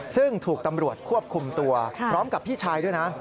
ซึ่งถูกตำรวจควบคุมตัวพร้อมกับพี่ชายด้วยนะ